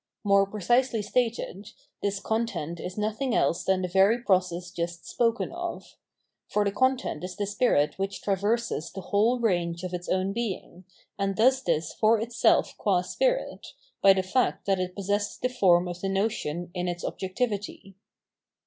More precisely stated, this content is nothing else than the very process just spoken of; for the content is the spirit which traverses the whole range of its own being, and does this for itself qua spirit, by the fact that it possesses the form of the notion in its objectivity.